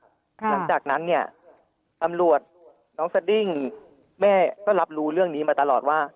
หลังจากนั้นเนี่ยตำรวจน้องสดิ้งแม่ก็รับรู้เรื่องนี้มาตลอดว่า